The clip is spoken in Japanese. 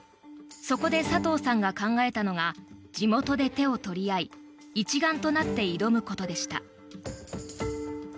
そこで佐藤さんが考えたのが地元で手を取り合い一丸となって挑むことでした。